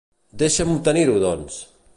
Deixa'm obtenir-ho, doncs!